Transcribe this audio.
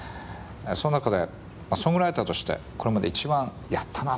その中でソングライターとしてこれまで一番「やったな」